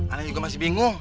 anaknya juga masih bingung